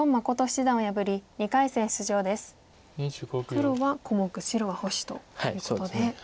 黒は小目白は星ということで。